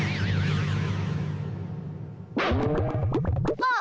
あっ。